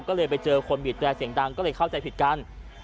ก็เลยไปเจอคนบีดแร่เสียงดังก็เลยเข้าใจผิดกัน